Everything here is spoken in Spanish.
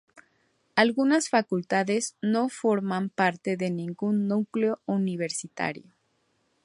Algunas facultades no forman parte de ningún núcleo universitario.